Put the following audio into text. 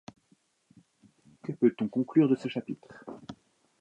Que peut-on conclure de ce chapitre ?